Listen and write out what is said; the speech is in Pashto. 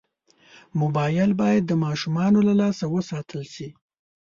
موبایل باید د ماشومانو له لاسه وساتل شي.